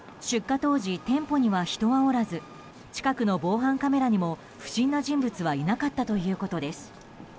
出火当時、店舗には人がおらず近くの防犯カメラにも不審な人物はいなかったということです。